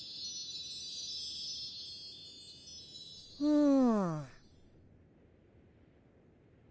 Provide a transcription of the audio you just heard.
うん。